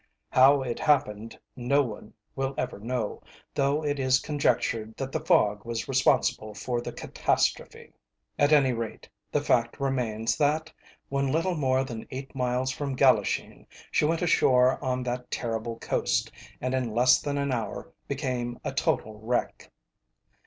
How it happened no one will ever know, though it is conjectured that the fog was responsible for the catastrophe. At any rate, the fact remains, that, when little more than eight miles from Gallisheen, she went ashore on that terrible coast, and in less than an hour became a total wreck.